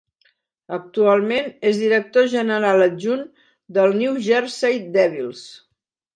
Actualment és director general adjunt dels New Jersey Devils.